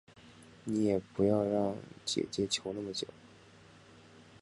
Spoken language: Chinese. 你也不要让姐姐求那么久